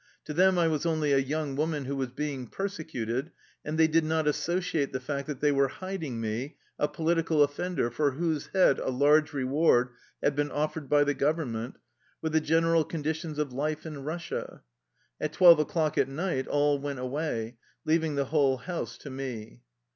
To them I was only a young woman who was being persecuted, and they did not as sociate the fact that they were hiding me, a political offender for whose head a large reward had been offered by the Government, with the general conditions of life in Russia. At twelve o'clock at night all went away, leaving the whole house to me.